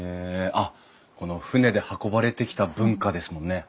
あっこの船で運ばれてきた文化ですもんね。